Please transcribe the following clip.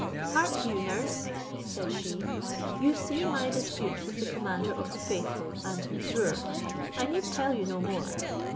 "Hark you nurse," said she, "you see my dispute with the commander of the faithful, and Mesrour; I need tell you no more.